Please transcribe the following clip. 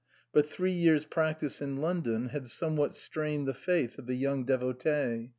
But three years' practice in London had somewhat strained the faith of the young devotee.